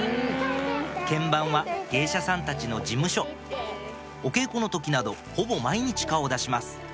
見番は芸者さんたちの事務所お稽古の時などほぼ毎日顔を出します